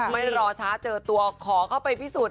ไม่รอช้าเจอตัวขอเข้าไปพิสูจน